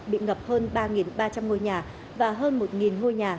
bị ngập hơn ba ba trăm linh ngôi nhà và hơn một ngôi nhà